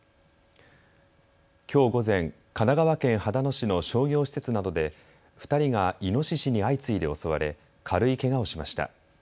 きょう午前、神奈川県秦野市の商業施設などで２人がイノシシに相次いで襲われ軽いけがをしました。